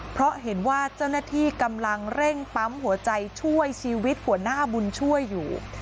เพราะเห็นว่าเจ้าหน้าที่กำลังเร่งปั๊มหัวใจช่วยชีวิตหัวหน้าบุญช่วยอยู่